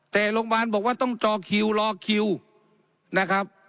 แต่โรงพยาบาลบอกว่าต้องจอคิวรอคิวนะครับ